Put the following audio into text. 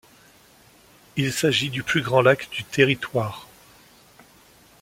Il s'agit du plus grand lac du territoire.